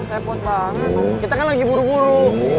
repot banget kita kan lagi buru buru